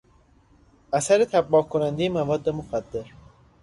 اثر تباه کنندهی مواد مخدر